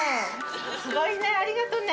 すごいねありがとね！